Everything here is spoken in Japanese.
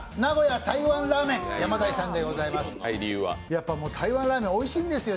やっぱ台湾ラーメン、おいしいんですよ